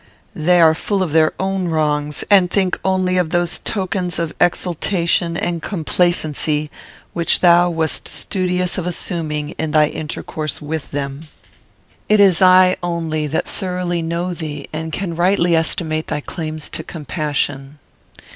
They are full of their own wrongs, and think only of those tokens of exultation and complacency which thou wast studious of assuming in thy intercourse with them. It is I only that thoroughly know thee and can rightly estimate thy claims to compassion.